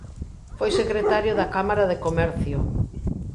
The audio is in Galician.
Foi secretario da Cámara de Comercio.